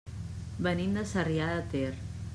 Venim de Sarrià de Ter.